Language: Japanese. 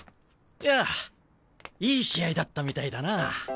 やあいい試合だったみたいだな。